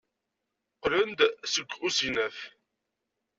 Qqlen-d seg usegnaf.